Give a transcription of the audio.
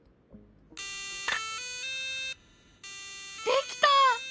できた！